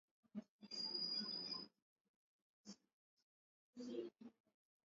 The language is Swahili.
huku wakikabiliana na atahri zinazoongezeka duniani kutokana na uvamizi huo